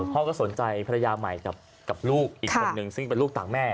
พ่อก็สนใจภรรยาใหม่กับลูกอีกคนนึงซึ่งเป็นลูกต่างแม่